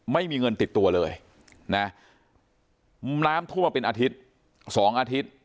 ไม่มีเงินติดตัวเลยนะน้ำท่วมเป็นอาทิตย์สองอาทิตย์